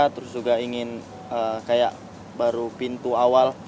terus juga ingin kayak baru pintu awal